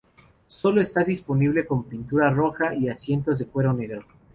Sólo está disponible con pintura roja y asientos de cuero negro.